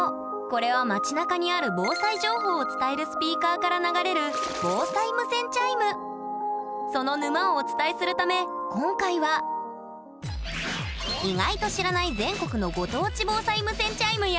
これは町なかにある防災情報を伝えるスピーカーから流れるその沼をお伝えするため今回はを紹介するよ！